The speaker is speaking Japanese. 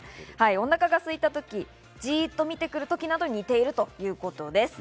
お腹がすいたとき、じっと見てくる時など、似ているということです。